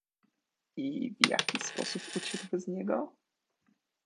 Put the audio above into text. "I w jaki sposób uciekł bez niego?"